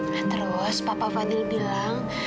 nah terus papa fadil bilang